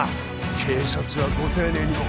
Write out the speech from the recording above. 警察はご丁寧にも